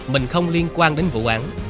mình không liên quan đến vụ án